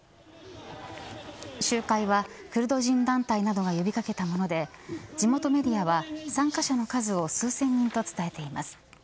集会はクルド人団体などが呼び掛けたもので地元メディアは参加者の数を数千人と伝えています。